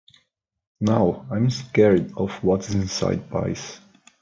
Now, I’m scared of what is inside of pies.